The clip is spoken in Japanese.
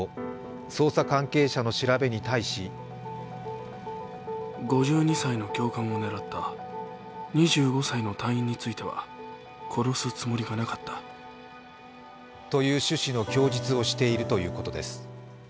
捜査関係者の調べに対しという趣旨の供述をしているということです。